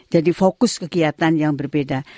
jadi fokus kegiatan yang berbeda